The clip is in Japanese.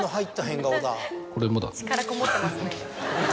力こもってますね。